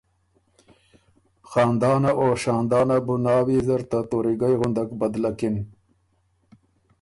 خاندانه او شاندانه بُو ناويې زر ته توریګئ غُندک بدلکِن۔